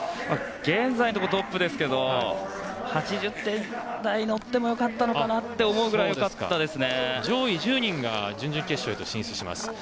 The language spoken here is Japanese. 現在のところトップですが８０点台に乗っても良かったかなと思うくらい上位１０人が準々決勝へと進出します。